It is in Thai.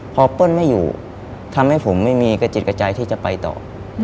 พอเปิ้ลไม่อยู่ทำให้ผมไม่มีกระจิตกระใจที่จะไปต่อ